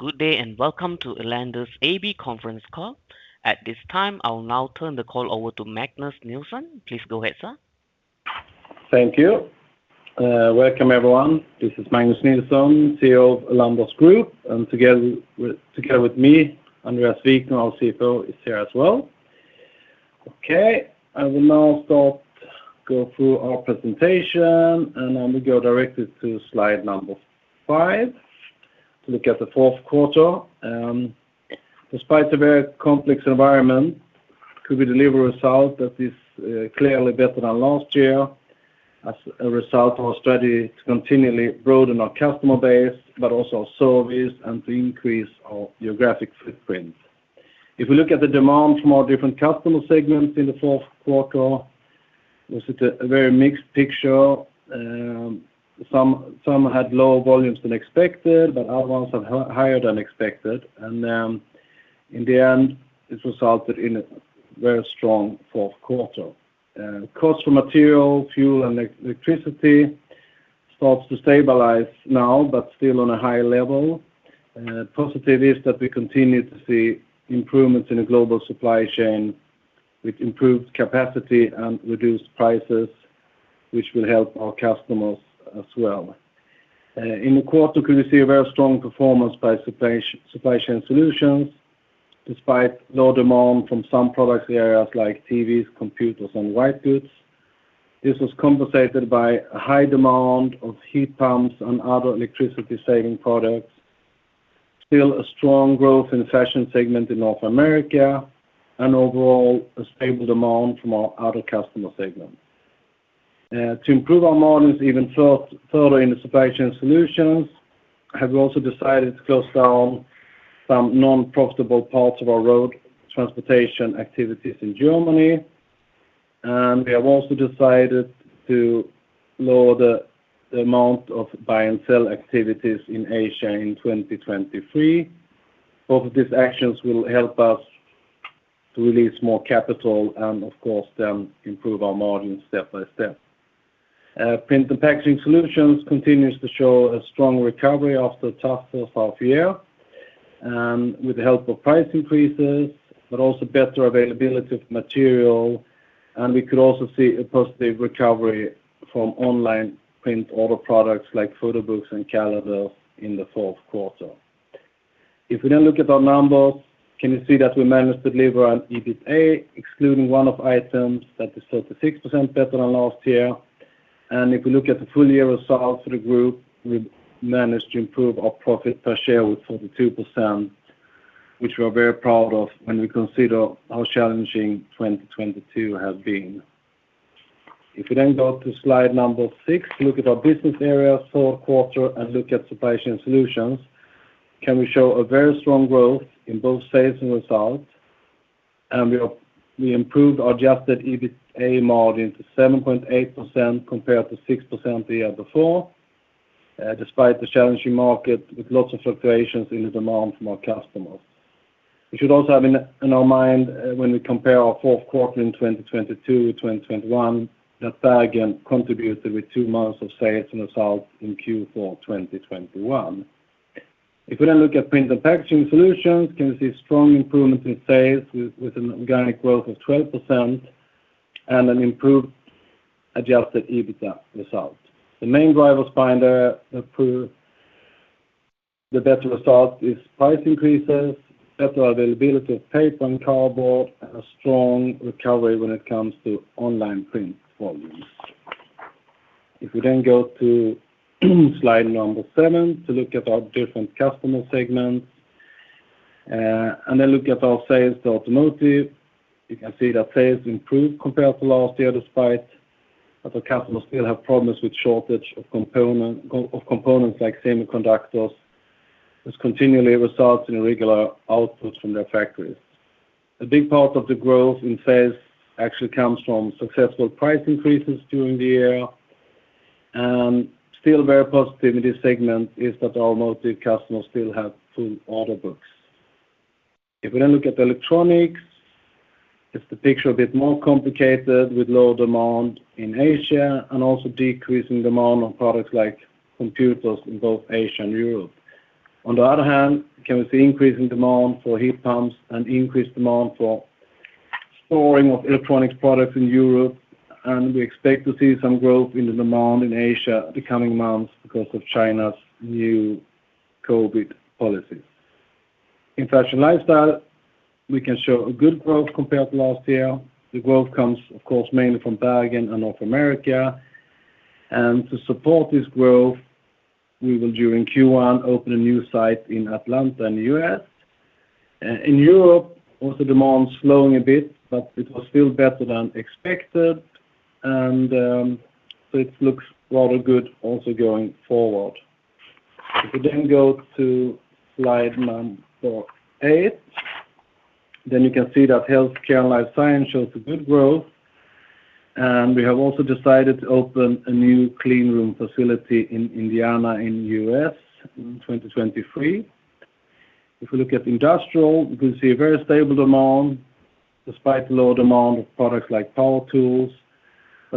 Good day, and welcome to Elanders AB conference call. At this time, I will now turn the call over to Magnus Nilsson. Please go ahead, sir. Thank you. Welcome, everyone. This is Magnus Nilsson, CEO of Elanders Group, and together with me, Andréas Wikner, our CFO, is here as well. Okay. I will now go through our presentation, then we go directly to slide number five to look at the fourth quarter. Despite a very complex environment, could we deliver a result that is clearly better than last year as a result of our strategy to continually broaden our customer base, but also our service and to increase our geographic footprint. If we look at the demand from our different customer segments in the fourth quarter, was it a very mixed picture. Some had lower volumes than expected, but other ones had higher than expected. In the end, this resulted in a very strong fourth quarter. Cost for material, fuel and electricity starts to stabilize now but still on a high level. Positive is that we continue to see improvements in the global supply chain, which improves capacity and reduced prices, which will help our customers as well. In the quarter, can you see a very strong performance by Supply Chain Solutions despite low demand from some product areas like TVs, computers, and white goods. This was compensated by high demand of heat pumps and other electricity saving products. Still a strong growth in the Fashion segment in North America and overall a stable demand from our other customer segments. To improve our margins even further in the Supply Chain Solutions, have also decided to close down some non-profitable parts of our road transportation activities in Germany. We have also decided to lower the amount of buy and sell activities in Asia in 2023. Both of these actions will help us to release more capital and of course then improve our margins step by step. Print & Packaging Solutions continues to show a strong recovery after a tough first half year, with the help of price increases but also better availability of material. We could also see a positive recovery from online print order products like photo books and calendars in the fourth quarter. If we then look at our numbers, can you see that we managed to deliver an EBITDA excluding one-off items that is 36% better than last year? If you look at the full year results for the group, we've managed to improve our profit per share with 42%, which we're very proud of when we consider how challenging 2022 has been. If we go to slide six, look at our business area, fourth quarter, and look at Supply Chain Solutions. Can we show a very strong growth in both sales and results. We improved our adjusted EBITDA margin to 7.8% compared to 6% the year before, despite the challenging market with lots of fluctuations in the demand from our customers. We should also have in our mind when we compare our fourth quarter in 2022 to 2021 that Bergen contributed with two months of sales and results in Q4 2021. We then look at Print & Packaging Solutions, can we see strong improvement in sales with an organic growth of 12% and an improved adjusted EBITDA result? The main drivers behind the better result is price increases, better availability of paper and cardboard, and a strong recovery when it comes to online print volumes. We then go to slide number seven to look at our different customer segments, and then look at our sales to automotive, you can see that sales improved compared to last year, despite that our customers still have problems with shortage of component of components like semiconductors, which continually results in irregular outputs from their factories. A big part of the growth in sales actually comes from successful price increases during the year. Still very positive in this segment is that our automotive customers still have full order books. We then look at electronics, is the picture a bit more complicated with low demand in Asia and also decreasing demand on products like computers in both Asia and Europe. On the other hand, can we see increasing demand for heat pumps and increased demand for storing of electronics products in Europe, and we expect to see some growth in the demand in Asia the coming months because of China's new COVID policies. In Fashion & Lifestyle, we can show a good growth compared to last year. The growth comes, of course, mainly from Bergen and North America. To support this growth, we will, during Q1, open a new site in Atlanta in the U.S. In Europe, also demand slowing a bit, but it was still better than expected and so it looks rather good also going forward. If we then go to slide number 8, you can see that Health Care & Life Science shows a good growth, and we have also decided to open a new cleanroom facility in Indiana in U.S. in 2023. If we look at industrial, you can see a very stable demand despite low demand of products like power tools.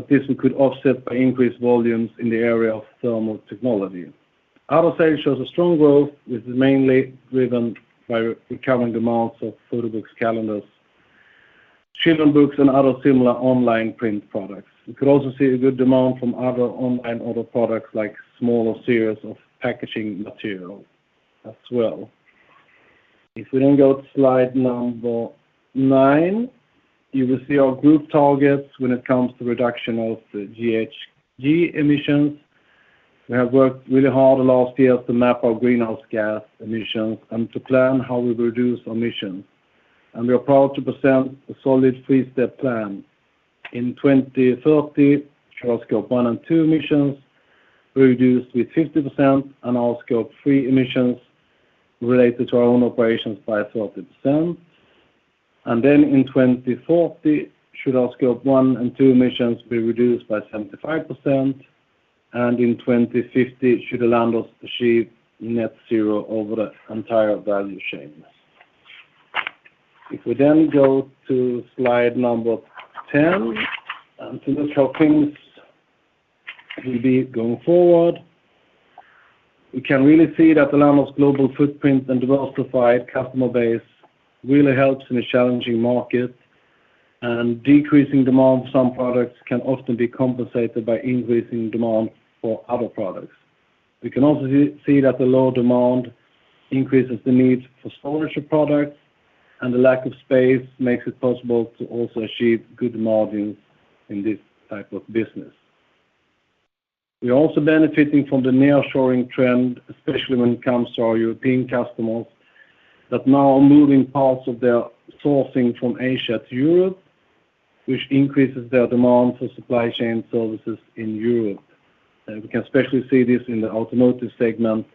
This we could offset by increased volumes in the area of thermal technology. Other sales shows a strong growth, which is mainly driven by recovering demands of photo books, calendars, children books, and other similar online print products. We could also see a good demand from other online products like smaller series of packaging material as well. If we then go to slide number nine, you will see our group targets when it comes to reduction of the GHG emissions. We have worked really hard the last year to map our greenhouse gas emissions and to plan how we reduce our emissions. We are proud to present a solid three-step plan. In 2030, should our Scope 1 and 2 emissions reduce with 50% and our Scope 3 emissions related to our own operations by 30%. In 2040, should our Scope 1 and 2 emissions be reduced by 75%, and in 2050 should Elanders achieve net zero over the entire value chain. We then go to slide number 10. To look how things will be going forward, we can really see that the Elanders global footprint and diversified customer base really helps in a challenging market. Decreasing demand for some products can often be compensated by increasing demand for other products. We can also see that the low demand increases the need for storage of products. The lack of space makes it possible to also achieve good margins in this type of business. We are also benefiting from the nearshoring trend, especially when it comes to our European customers that now are moving parts of their sourcing from Asia to Europe, which increases their demand for supply chain services in Europe. We can especially see this in the automotive segment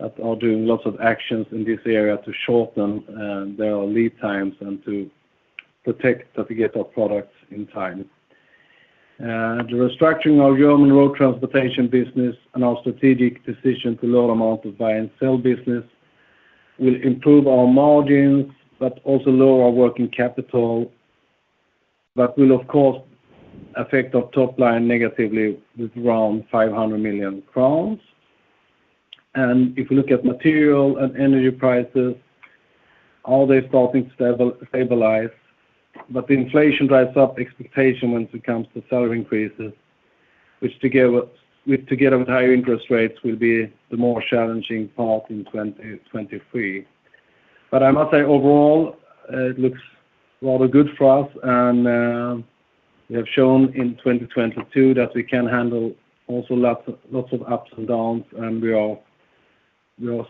that are doing lots of actions in this area to shorten their lead times and to protect that we get our products in time. The restructuring our German road transportation business and our strategic decision to load amount of buy and sell business will improve our margins, also lower our working capital. Will, of course, affect our top line negatively with around 500 million crowns. If you look at material and energy prices, are they starting to stabilize? The inflation drives up expectation when it comes to salary increases, which together with higher interest rates, will be the more challenging part in 2023. I must say overall, it looks rather good for us, and we have shown in 2022 that we can handle also lots of ups and downs, and we are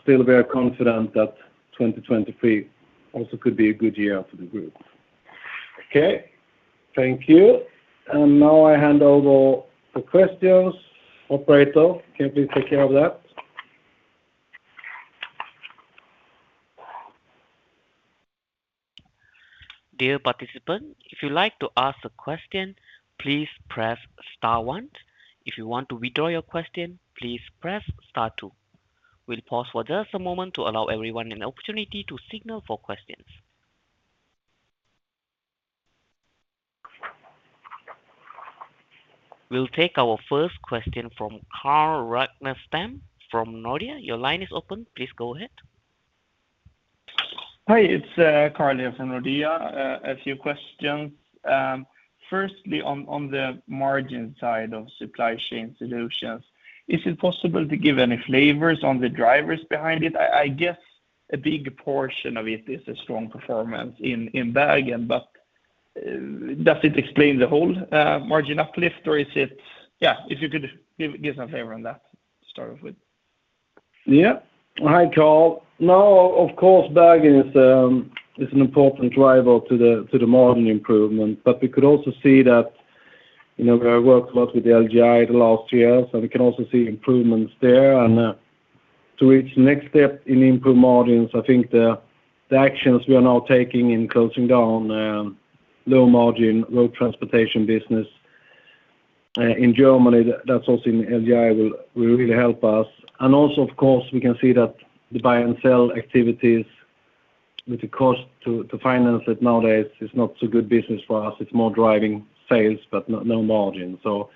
still very confident that 2023 also could be a good year for the group. Okay, thank you. Now I hand over the questions. Operator, can you please take care of that? Dear participant, if you'd like to ask a question, please press star one. If you want to withdraw your question, please press star two. We'll pause for just a moment to allow everyone an opportunity to signal for questions. We'll take our first question from Carl Ragnerstam from Nordea. Your line is open, please go ahead. Hi, it's Carl here from Nordea. A few questions. Firstly, on the margin side of Supply Chain Solutions, is it possible to give any flavors on the drivers behind it? I guess a big portion of it is a strong performance in Bergen, but does it explain the whole margin uplift, or is it... Yeah, if you could give some flavor on that to start off with. Yeah, hi, Carl. No, of course, Bergen is an important driver to the, to the margin improvement. We could also see that, you know, we have worked a lot with the LGI the last year, so we can also see improvements there. To reach the next step in improved margins, I think the actions we are now taking in closing down low margin road transportation business in Germany, that's also in LGI, will really help us. Also, of course, we can see that the buy and sell activities with the cost to finance it nowadays is not so good business for us. It's more driving sales, but no margin. No,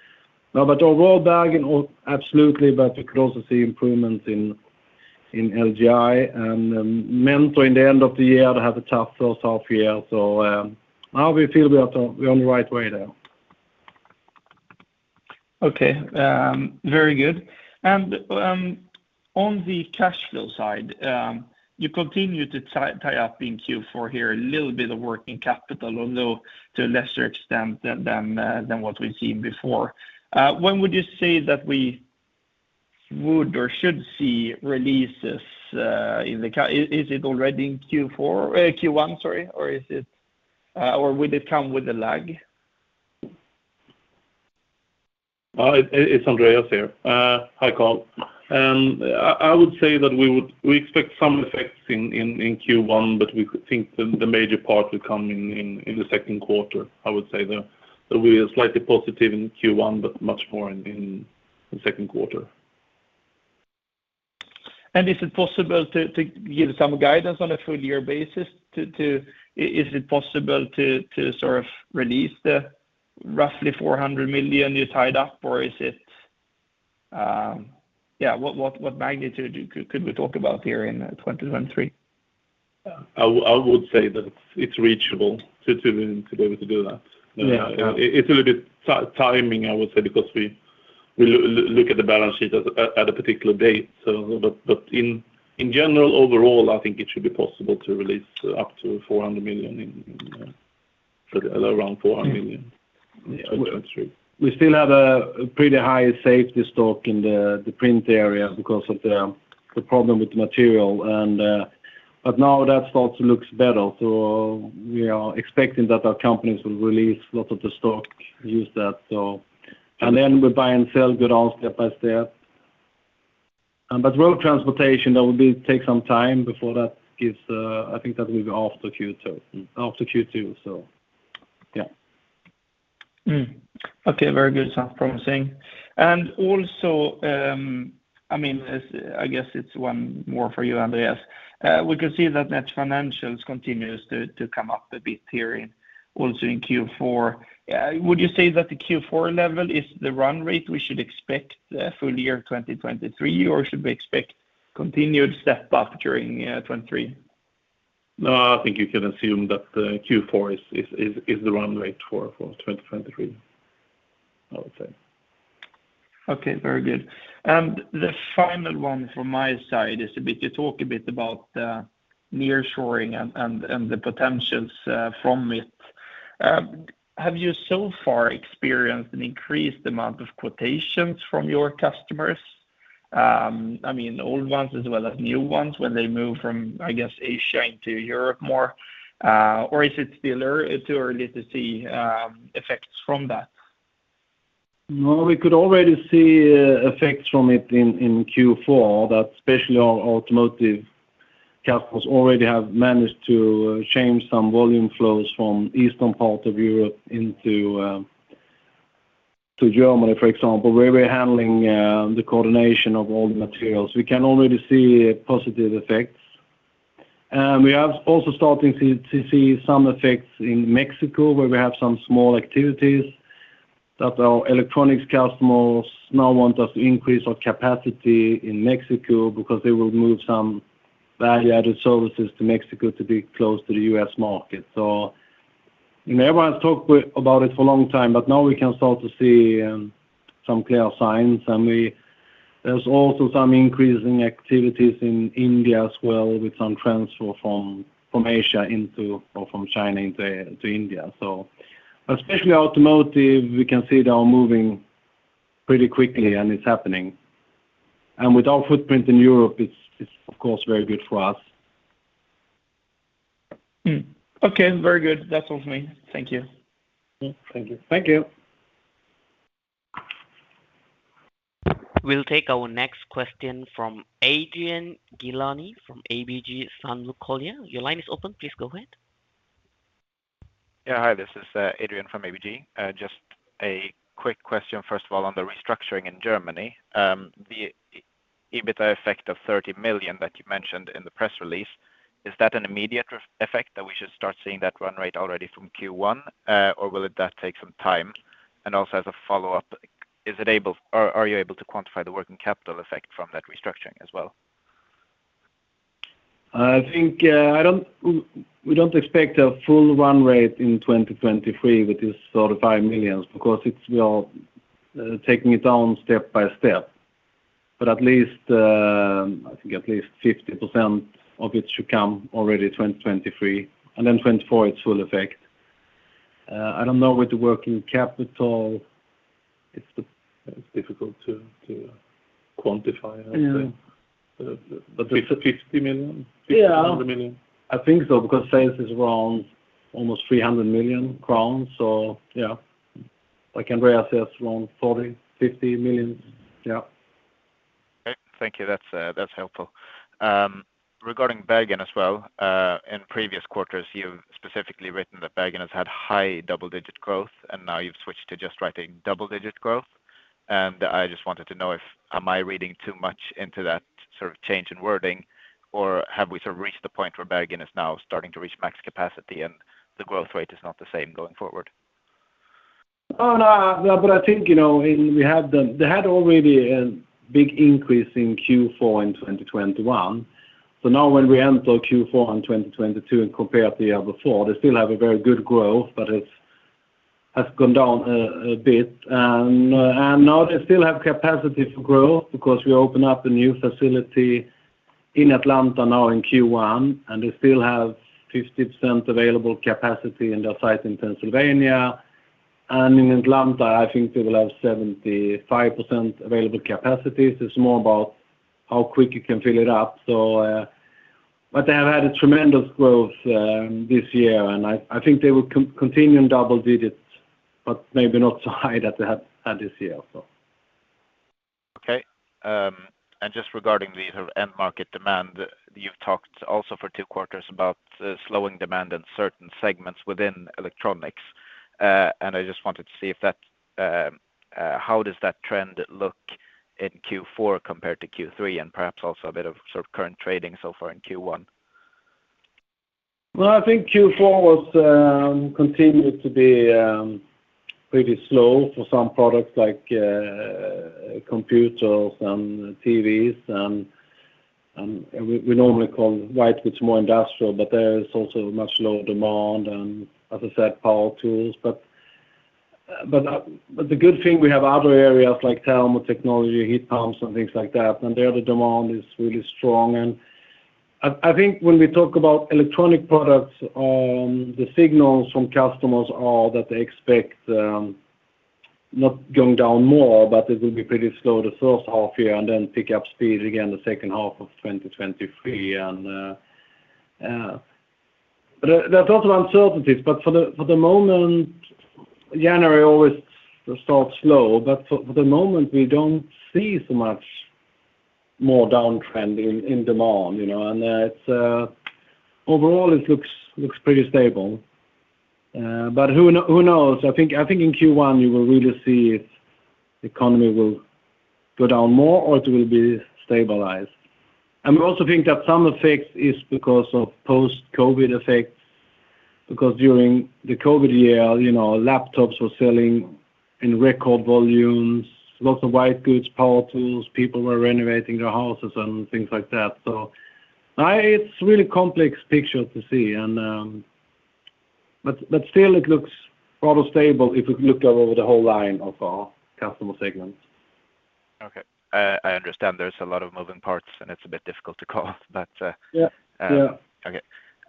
but overall, Bergen, absolutely, we could also see improvements in LGI and Mentor Media in the end of the year. They had a tough first half year. Now we feel that we're on the right way there. Very good. On the cash flow side, you continue to tie up in Q4 here a little bit of working capital, although to a lesser extent than what we've seen before. When would you say that we would or should see releases? Is it already in Q4 or Q1, sorry, or is it or would it come with a lag? It's Andréas here. Hi, Carl. I would say that we expect some effects in Q1, but we think the major part will come in the second quarter. I would say that we are slightly positive in Q1, but much more in second quarter. Is it possible to give some guidance on a full year basis? Is it possible to sort of release the roughly 400 million you tied up? Or is it? Yeah, what magnitude could we talk about here in 2023? I would say that it's reachable to be able to do that. Yeah. It's a little bit timing, I would say, because we look at the balance sheet at a particular date. In general, overall, I think it should be possible to release at around 400 million in 2023. We still have a pretty high safety stock in the print area because of the problem with material. Now that stock looks better. We are expecting that our companies will release a lot of the stock, use that. Then we buy and sell good all step by step. Road transportation, that will take some time before that gives. I think that will be after Q2. After Q2. Yeah. Mm. Okay, very good. Sounds promising. I mean, as I guess it's one more for you, Andréas, we can see that net financials continues to come up a bit here also in Q4. Would you say that the Q4 level is the run rate we should expect full year 2023, or should we expect continued step up during 2023? No, I think you can assume that Q4 is the run rate for 2023, I would say. Okay, very good. The final one from my side, you talk a bit about nearshoring and the potentials from it. Have you so far experienced an increased amount of quotations from your customers? I mean, old ones as well as new ones when they move from, I guess, Asia into Europe more? Or is it still too early to see effects from that? We could already see effects from it in Q4, that especially our automotive customers already have managed to change some volume flows from eastern part of Europe into Germany, for example, where we're handling the coordination of all the materials. We can already see positive effects. We are also starting to see some effects in Mexico, where we have some small activities, that our electronics customers now want us to increase our capacity in Mexico because they will move some value-added services to Mexico to be close to the U.S. market. Everyone's talked about it for a long time, but now we can start to see some clear signs. There's also some increasing activities in India as well, with some transfer from Asia or from China into India. Especially automotive, we can see they are moving pretty quickly and it's happening. With our footprint in Europe, it's of course, very good for us. Okay, very good. That's all for me. Thank you. Thank you. Thank you. We'll take our next question from Adrian Gilani from ABG Sundal Collier. Your line is open, please go ahead. This is Adrian from ABG. Just a quick question, first of all, on the restructuring in Germany. The EBITDA effect of 30 million that you mentioned in the press release, is that an immediate effect that we should start seeing that run rate already from Q1, or will that take some time? As a follow-up, are you able to quantify the working capital effect from that restructuring as well? I think, I don't expect a full run rate in 2023 with this sort of 5 million because we are, taking it down step by step. At least, I think at least 50% of it should come already 2023, and then 2024, it's full effect. I don't know with the working capital. It's difficult to quantify, I think. Yeah. 50 million? Yeah. 50 million. I think so, because sales is around almost 300 million crowns. Yeah, like Andréas says, around 40 million-50 million. Yeah. Okay, thank you. That's, that's helpful. Regarding Bergen as well, in previous quarters, you've specifically written that Bergen has had high double-digit growth, and now you've switched to just writing double-digit growth. I just wanted to know if, am I reading too much into that sort of change in wording, or have we sort of reached the point where Bergen is now starting to reach max capacity and the growth rate is not the same going forward? Oh, no. I think, you know, they had already a big increase in Q4 in 2021. Now when we enter Q4 in 2022 and compare to the other four, they still have a very good growth, but it's has gone down a bit. Now they still have capacity to grow because we opened up a new facility in Atlanta now in Q1, and they still have 50% available capacity in their site in Pennsylvania. In Atlanta, I think they will have 75% available capacity. It's more about how quick you can fill it up. They have had a tremendous growth this year, and I think they will continue in double digits, but maybe not so high that they have had this year. Okay. Just regarding the end market demand, you've talked also for two quarters about slowing demand in certain segments within electronics. I just wanted to see if that how does that trend look in Q4 compared to Q3 and perhaps also a bit of sort of current trading so far in Q1? I think Q4 was continued to be pretty slow for some products like computers and TVs. We normally call white goods more industrial, but there is also much lower demand and as I said, power tools. The good thing we have other areas like thermal technology, heat pumps and things like that, and there the demand is really strong. I think when we talk about electronic products, the signals from customers are that they expect not going down more, but it will be pretty slow the first half year and then pick up speed again the second half of 2023. There, there are a lot of uncertainties, for the, for the moment, January always starts slow, for the moment, we don't see so much more downtrend in demand, you know? It's overall it looks pretty stable. Who knows? I think in Q1 you will really see if the economy will go down more or it will be stabilized. We also think that some effect is because of post-COVID effects, because during the COVID year, you know, laptops were selling in record volumes, lots of white goods, power tools, people were renovating their houses and things like that. It's really complex picture to see and still it looks rather stable if you looked over the whole line of our customer segments. Okay. I understand there's a lot of moving parts. It's a bit difficult to call but. Yeah, yeah.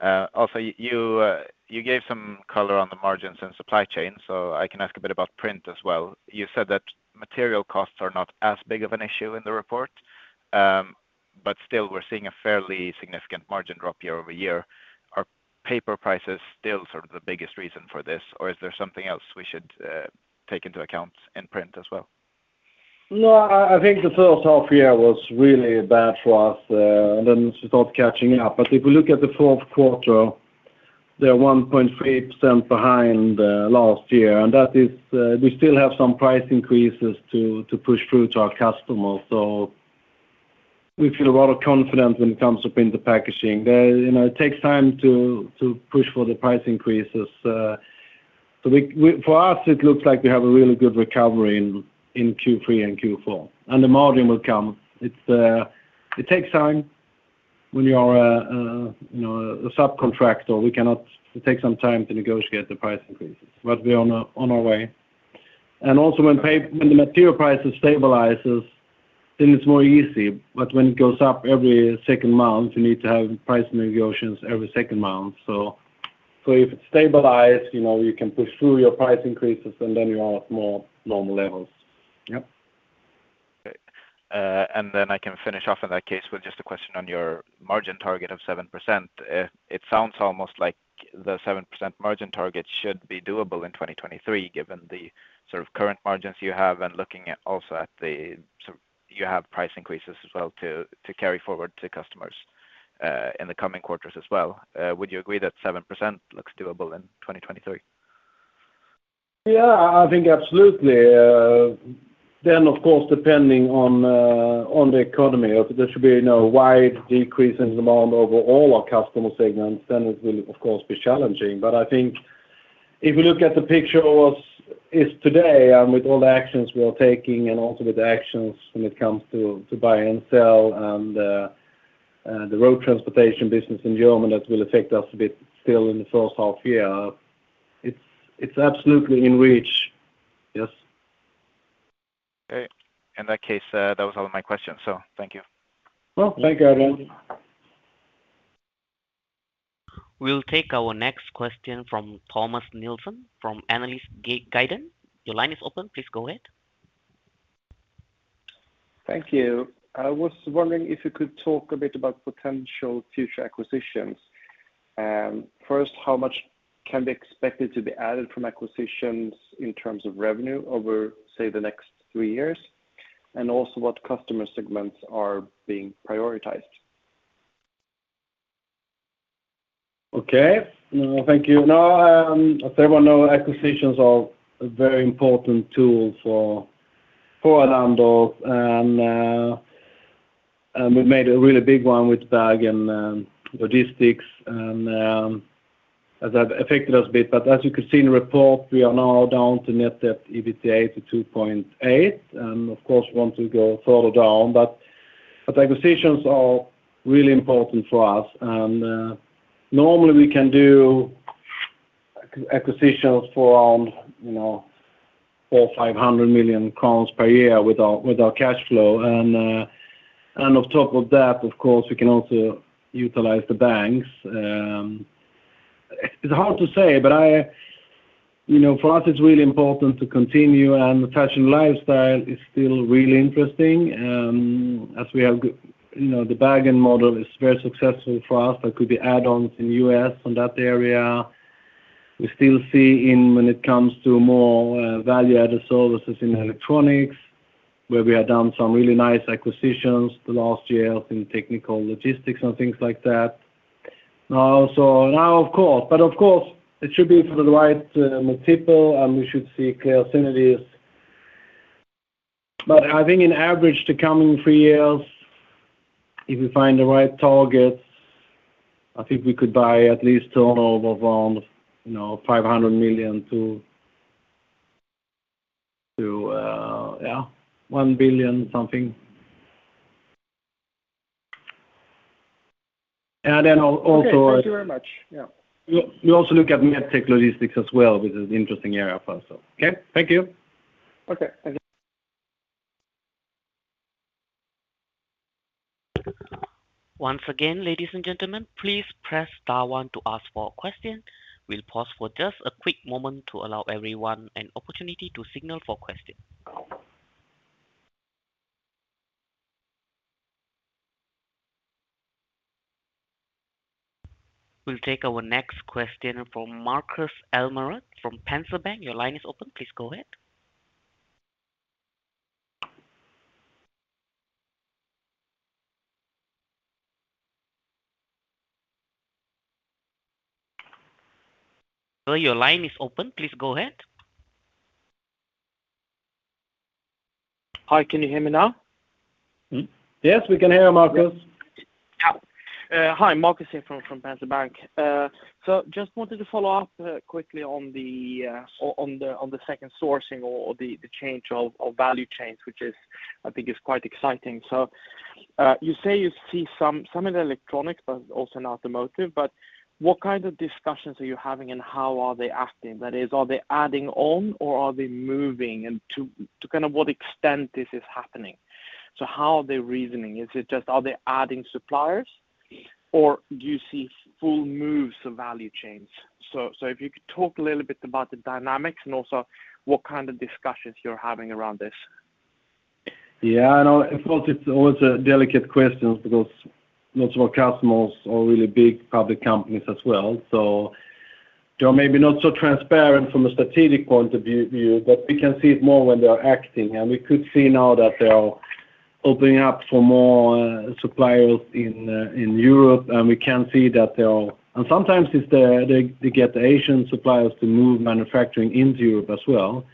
Okay. Also you gave some color on the margins and supply chain, I can ask a bit about print as well. You said that material costs are not as big of an issue in the report, but still we're seeing a fairly significant margin drop year-over-year. Are paper prices still sort of the biggest reason for this, or is there something else we should take into account in print as well? No, I think the first half year was really bad for us, and then we start catching up. If we look at the fourth quarter, they are 1.5% behind last year, and that is, we still have some price increases to push through to our customers. We feel a lot of confidence when it comes to Print to Packaging. You know, it takes time to push for the price increases. For us it looks like we have a really good recovery in Q3 and Q4, and the margin will come. It's, it takes time when you are a, you know, a subcontractor. We cannot take some time to negotiate the price increases, but we're on our way. Also when the material prices stabilizes, then it's more easy. When it goes up every second month, you need to have price negotiations every second month. If it's stabilized, you know, you can push through your price increases, and then you are at more normal levels. Yep. Great. Then I can finish off in that case with just a question on your margin target of 7%. It sounds almost like the 7% margin target should be doable in 2023, given the sort of current margins you have and looking at also at the sort of you have price increases as well to carry forward to customers in the coming quarters as well. Would you agree that 7% looks doable in 2023? Yeah, I think absolutely. Of course, depending on the economy. If there should be no wide decrease in demand over all our customer segments, then it will of course be challenging. I think if you look at the picture of is today and with all the actions we are taking and also with the actions when it comes to buy and sell and the road transportation business in Germany, that will affect us a bit still in the first half year. It's absolutely in reach. Yes. Okay. In that case, that was all my questions, so thank you. Well, thank you, Adrian. We'll take our next question from Thomas Nilsson from Analysguiden. Your line is open, please go ahead. Thank you. I was wondering if you could talk a bit about potential future acquisitions. First, how much can be expected to be added from acquisitions in terms of revenue over, say, the next three years? Also, what customer segments are being prioritized? Okay. No, thank you. Now, as everyone know acquisitions are a very important tool for Elanders. We made a really big one with Bergen Logistics. As I've affected us a bit, but as you could see in the report, we are now down to Net Debt/EBITDA to 2.8. Of course, we want to go further down. Acquisitions are really important for us. Normally we can do acquisitions for around, you know, 400 million-500 million crowns per year with our cash flow. On top of that, of course, we can also utilize the banks. It's hard to say, but I... You know, for us it's really important to continue and the Fashion & Lifestyle is still really interesting, as we have you know, the bargain model is very successful for us. There could be add-ons in U.S. on that area. We still see in when it comes to more value-added services in electronics. Where we have done some really nice acquisitions the last year in technical logistics and things like that. Of course, but of course it should be for the right multiple, and we should see clear synergies. I think in average the coming three years, if we find the right targets, I think we could buy at least a turnover of around, you know, 500 million to, yeah, one billion something. Then also. Okay. Thank you very much. Yeah. We also look at MedTech logistics as well, which is an interesting area for us, so. Okay. Thank you. Okay. Thank you. Once again, ladies and gentlemen, please press star one to ask for a question. We'll pause for just a quick moment to allow everyone an opportunity to signal for question. We'll take our next question from Markus Almerud from Pareto Securities. Your line is open. Please go ahead. Sir, your line is open, please go ahead. Hi, can you hear me now? Mm-hmm. Yes, we can hear you, Markus. Hi, Markus here from Pareto Securities. Just wanted to follow up quickly on the second sourcing or the change of value chains, which is I think is quite exciting. You say you see some of the electronics, but also in automotive, but what kind of discussions are you having and how are they acting? That is, are they adding on or are they moving? To kind of what extent this is happening. How are they reasoning? Is it just are they adding suppliers or do you see full moves of value chains? If you could talk a little bit about the dynamics and also what kind of discussions you're having around this. Yeah, I know. Of course, it's always a delicate question because lots of our customers are really big public companies as well, so they're maybe not so transparent from a strategic point of view, but we can see it more when they are acting. We could see now that they are opening up for more suppliers in Europe, and we can see that they are. Sometimes it's the, they get the Asian suppliers to move manufacturing into Europe as well.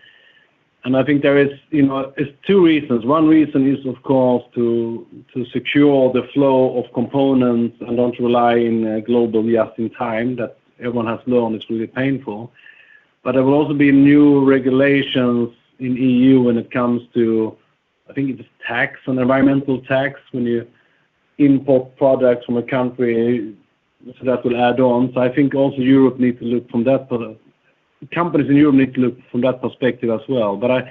I think there is, you know, it's two reasons. One reason is of course to secure the flow of components and not rely in global just in time that everyone has learned it's really painful. There will also be new regulations in EU when it comes to, I think it is tax and environmental tax when you import products from a country. That will add on. Companies in Europe need to look from that perspective as well. I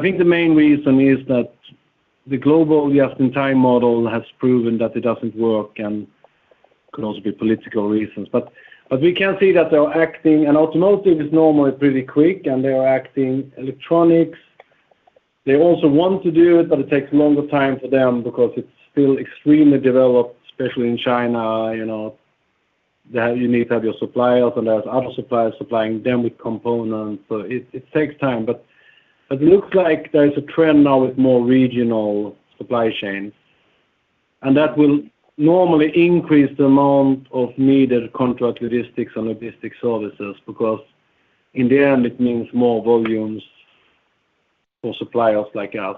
think the main reason is that the global just in time model has proven that it doesn't work and could also be political reasons. We can see that they're acting, and automotive is normally pretty quick, and they are acting. Electronics, they also want to do it, but it takes a longer time for them because it's still extremely developed, especially in China. You know, you need to have your suppliers, and there's other suppliers supplying them with components. It takes time. It looks like there's a trend now with more regional supply chains, and that will normally increase the amount of needed contract logistics and logistics services because in the end it means more volumes for suppliers like us.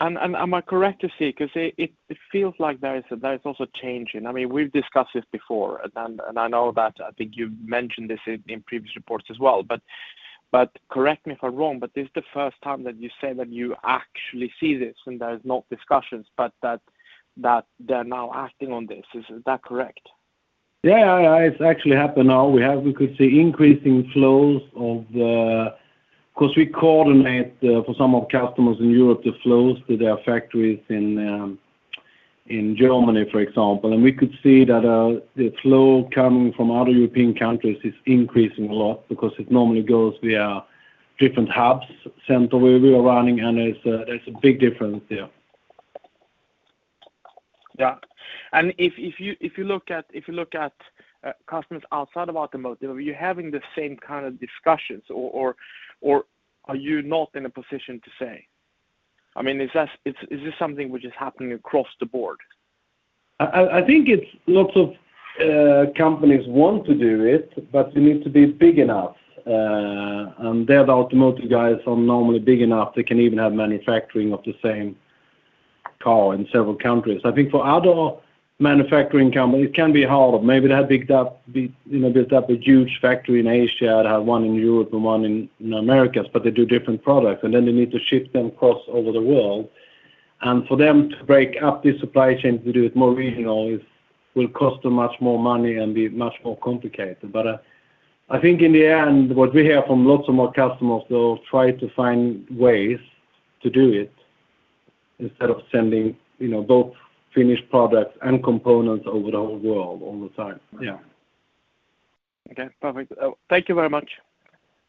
Am I correct to say, 'cause it feels like there is also change in... I mean, we've discussed this before and I know that I think you've mentioned this in previous reports as well, but correct me if I'm wrong, but this is the first time that you say that you actually see this and there's not discussions, but that they're now acting on this. Is that correct? Yeah. It's actually happened now. We could see increasing flows of. 'Cause we coordinate for some of customers in Europe, the flows to their factories in Germany, for example. We could see that the flow coming from other European countries is increasing a lot because it normally goes via different hubs center where we are running, there's a big difference there. Yeah. If you look at customers outside of automotive, are you having the same kind of discussions or are you not in a position to say? I mean, is this something which is happening across the board? I think it's lots of companies want to do it, but it needs to be big enough. There the automotive guys are normally big enough. They can even have manufacturing of the same car in several countries. I think for other manufacturing companies it can be harder. Maybe they have, you know, built up a huge factory in Asia and have one in Europe and one in Americas, but they do different products, and then they need to ship them across all over the world. For them to break up the supply chain to do it more regional is, will cost them much more money and be much more complicated. I think in the end, what we hear from lots of our customers, they'll try to find ways to do it instead of sending, you know, both finished products and components over the whole world all the time. Yeah. Okay. Perfect. Thank you very much.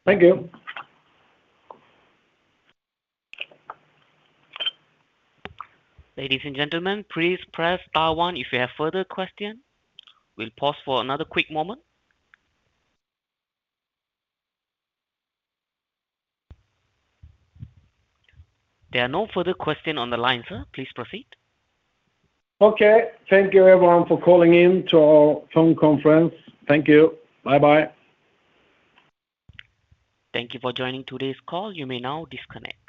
Thank you. Ladies and gentlemen, please press star one if you have further question. We'll pause for another quick moment. There are no further question on the line, sir. Please proceed. Okay. Thank you everyone for calling in to our phone conference. Thank you. Bye-bye. Thank you for joining today's call. You may now disconnect.